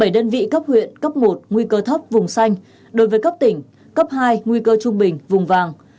bảy đơn vị cấp huyện cấp một nguy cơ thấp vùng xanh đối với cấp tỉnh cấp hai nguy cơ trung bình vùng vàng